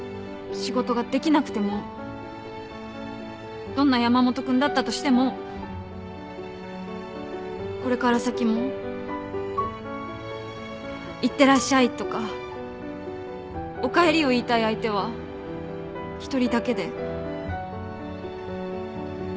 仕事ができなくてもどんな山本君だったとしてもこれから先も「いってらっしゃい」とか「おかえり」を言いたい相手は一人だけで。